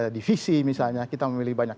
divisi misalnya kita memilih banyak